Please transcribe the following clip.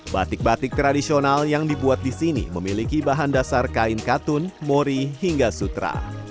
batik batik tradisional yang dibuat di sini memiliki bahan dasar kain katun mori hingga sutra